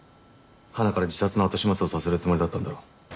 はなから自殺の後始末をさせるつもりだったんだろう。